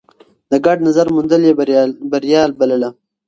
د ګډ نظر موندل يې بريا بلله.